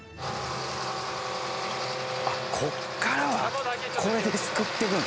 あっここからはこれですくっていくんだ。